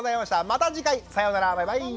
また次回さようならバイバーイ。